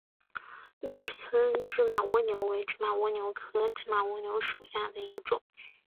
鹿村芝麻蜗牛为芝麻蜗牛科芝麻蜗牛属下的一个种。